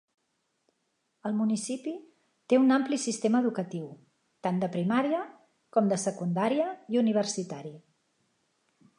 El municipi té un ampli sistema educatiu, tant de primària com de secundària i universitari.